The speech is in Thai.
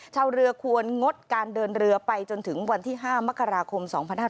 ชาวเรือควรงดการเดินเรือไปจนถึงวันที่๕มกราคม๒๕๕๙